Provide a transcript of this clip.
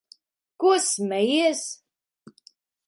Ko smejies?